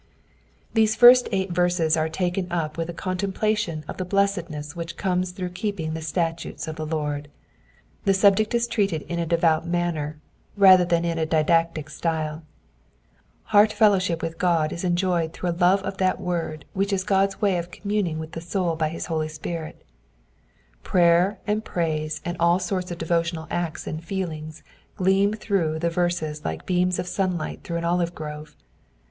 These first eight verses are taken up xcUh a contemplation of the blessedness ichich comes throagh keeping the statutes of the Lord. The subject is treated in a devout manner rather than in a didactic style. Jleart feliowship with God is enjoyed through a love of that word which is God's way of communing vnth the soul by his Holy tipirit. Prayer and praise ajid all sorts of devotional ads and feelings gleam through the verses like beams cf sunlight through an olive grove.